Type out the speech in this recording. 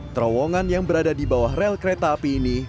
terowongan yang berada di bawah rel kereta api ini